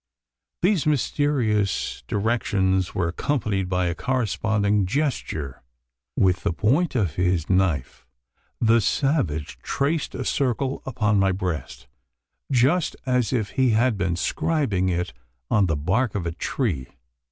These mysterious directions were accompanied by a corresponding gesture. With the point of his knife, the savage traced a circle upon my breast just as if he had been scribing it on the bark of a tree.